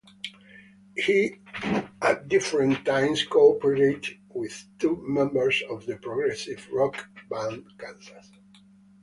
He at different times cooperated with two members of the progressive rock band Kansas.